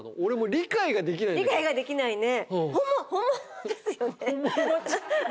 理解ができないね。